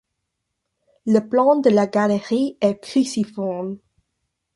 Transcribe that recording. Le plan de la galerie est cruciforme.